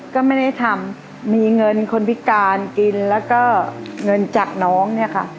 ก็ไม่ได้ทำมีเงินคนพิการกินแล้วก็เงินจากน้องเนี่ยค่ะ